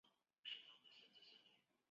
产于台湾。